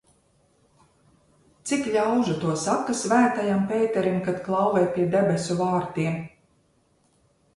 Cik ļaužu to saka Svētajam Pēterim, kad klauvē pie debesu vārtiem?